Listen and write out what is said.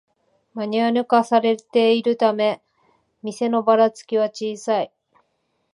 マニュアル化されているため店のバラつきは小さい